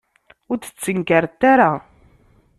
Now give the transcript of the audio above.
Ur d-ttnekkarent ara.